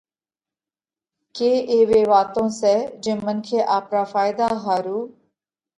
ڪي ايوي واتون سئہ جي منکي آپرا ڦائيۮا ۿارُو